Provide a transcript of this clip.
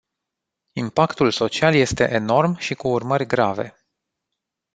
Impactul social este enorm și cu urmări grave.